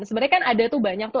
sebenarnya kan ada tuh banyak tuh